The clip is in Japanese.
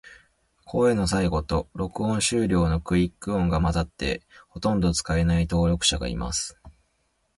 声の最後と、録音終了のクリック音が混ざって、ほとんど使えない登録者がいます。